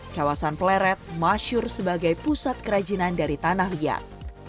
kawasan pleret masyur sebagai pusat kerajinan dari tanah liat